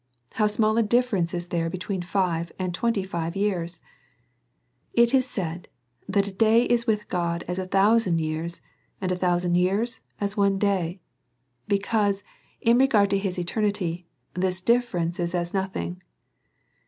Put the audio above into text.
how small a difference is there between five and twenty five years ? It is said, that a day is with God as a thousand years, and a thousand years as one day ; because in regard to his eternity, this difference is as nothing.